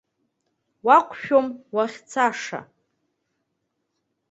Уақәшәом уахьцаша.